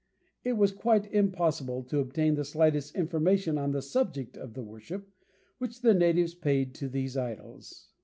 It was quite impossible to obtain the slightest information on the subject of the worship which the natives paid to these idols.